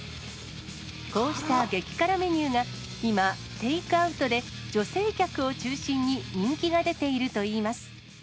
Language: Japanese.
こうした激辛メニューが、今、テイクアウトで女性客を中心に人気が出ているといいます。